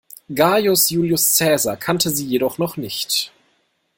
Gaius Julius Cäsar kannte sie jedoch noch nicht.